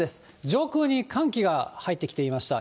上空に寒気が入ってきていました。